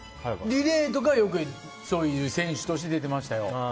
リレーとかよく選手として出てましたよ。